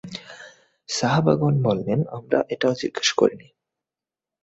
সাহাবাগণ বললেনঃ আমরা এটাও জিজ্ঞেস করিনি।